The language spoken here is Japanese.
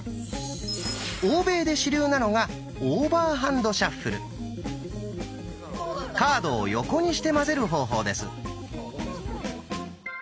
欧米で主流なのがカードを横にして混ぜる方法です。